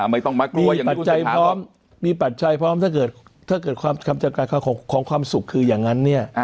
มีปัจจัยพร้อมมีปัจจัยพร้อมถ้าเกิดความจัดการของความสุขคืออย่างนั้นเนี่ย